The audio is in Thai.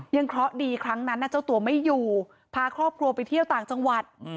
เคราะห์ดีครั้งนั้นเจ้าตัวไม่อยู่พาครอบครัวไปเที่ยวต่างจังหวัด